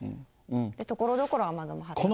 ところどころ雨雲発達します。